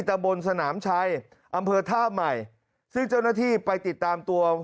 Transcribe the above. ตะบนสนามชัยอำเภอท่าใหม่ซึ่งเจ้าหน้าที่ไปติดตามตัว